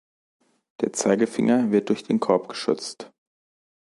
Der Zeigefinger wird durch den Korb geschützt.